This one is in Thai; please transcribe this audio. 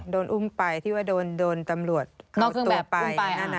โดนอุ้มไปที่ว่าโดนตำรวจเอาตัวไป